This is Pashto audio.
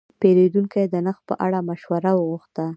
پیرودونکی د نرخ په اړه مشوره وغوښته.